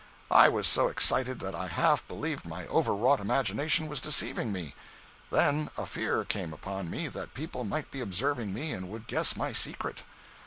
I was so excited that I half believed my overwrought imagination was deceiving me. Then a fear came upon me that people might be observing me and would guess my secret.